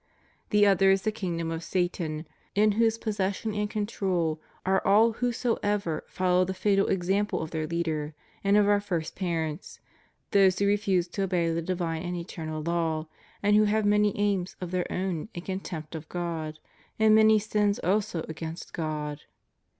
The other is the kingdom of Satan, in whose possession and control are all whosoever follow the fatal example of their leader and of our first parents, those who refuse to obey the divine and eternal law, and who have many aims of their own in contempt of God, and many aims also against God.